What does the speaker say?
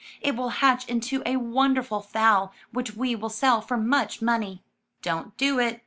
It will hatch into a won derful fowl which we will sell for much money." ''Don't do it.